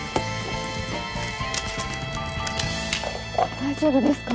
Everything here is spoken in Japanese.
大丈夫ですか？